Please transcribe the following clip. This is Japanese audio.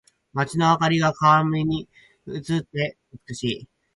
街の灯りが川面に映って美しい。